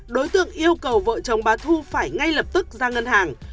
đối tượng yêu cầu vợ chồng bà thu phải ngay lập tức ra ngân hàng